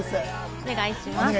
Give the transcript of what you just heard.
お願いします。